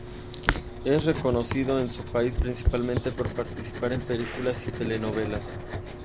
Es reconocido en su país principalmente por participar en películas y telenovelas.